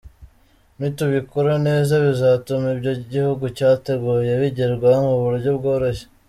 Nitubikora neza, bizatuma ibyo igihugu cyateguye bigerwaho mu buryo bworoshye.